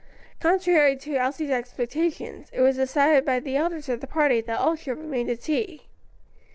Contrary to Elsie's expectations, it was decided by the elders of the party that all should remain to tea.